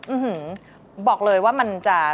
อื้อหือบอกเลยว่ามันจะ